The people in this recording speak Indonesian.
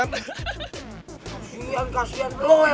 kasian kasian lo ya